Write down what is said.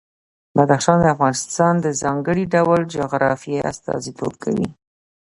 بدخشان د افغانستان د ځانګړي ډول جغرافیه استازیتوب کوي.